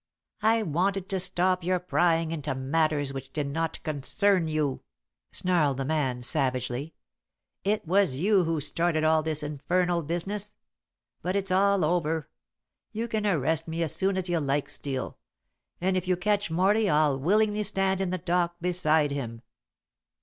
"I wanted to stop your prying into matters which did not concern you," snarled the man savagely. "It was you who started all this infernal business. But it's all over. You can arrest me as soon as you like, Steel, and if you can catch Morley I'll willingly stand in the dock beside him."